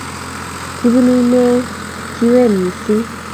Kibun inee chewien missing